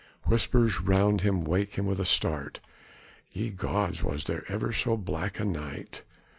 Whispers around him wake him with a start. Ye gods! was there ever so black a night?